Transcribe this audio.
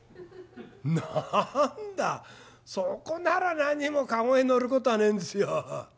なんだそこならなにも駕籠へ乗ることはねえんですよ。